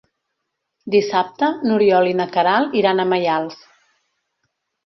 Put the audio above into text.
Dissabte n'Oriol i na Queralt iran a Maials.